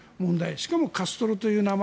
しかもカストロという名前